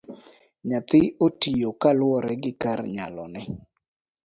Nyathi oti kaluwore gi kar nyalone.